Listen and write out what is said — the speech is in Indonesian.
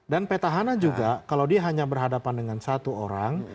dan petahana juga kalau dia hanya berhadapan dengan satu orang